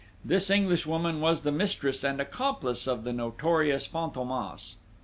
This Englishwoman was the mistress and accomplice of the notorious Fantômas.